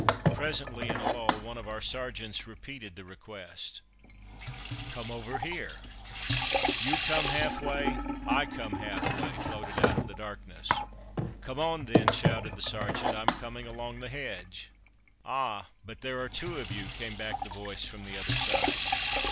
Presently, in a lull, one of our sergeants repeated the request, "Come over here!" "You come half way I come half way," floated out of the darkness. "Come on, then!" shouted the sergeant. "I'm coming along the hedge!" "Ah! but there are two of you," came back the voice from the other side.